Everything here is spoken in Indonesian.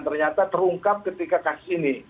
ternyata terungkap ketika kasus ini